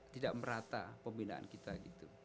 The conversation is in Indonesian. tidak merata pembinaan kita gitu